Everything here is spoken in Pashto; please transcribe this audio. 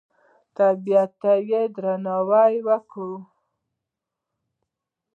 طبیعت ته درناوی وکړئ